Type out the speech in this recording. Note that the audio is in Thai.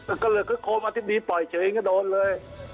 ก็เลยก็โคมอธิบดีปล่อยเฉยก็โดนเลย